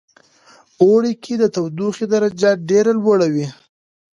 اوړی کې د تودوخې درجه ډیره لوړه وی